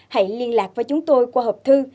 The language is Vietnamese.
hãy liên lạc với chúng tôi qua hộp thư